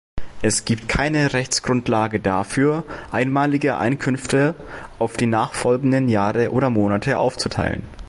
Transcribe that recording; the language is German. Es gibt keine Rechtsgrundlage dafür, einmalige Einkünfte auf die nachfolgenden Jahre oder Monate aufzuteilen.